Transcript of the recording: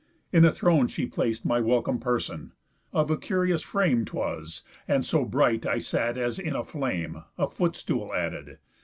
In a throne she plac'd My welcome person; of a curious frame 'Twas, and so bright I sat as in a flame; A foot stool added.